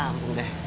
ya ampun deh